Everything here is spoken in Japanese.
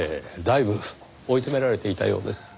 だいぶ追い詰められていたようです。